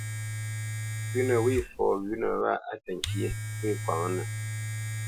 Pʉ̌nə wê fɔ wʉ̌nə wâ á təŋkyé, ŋgwê kwǎŋnə.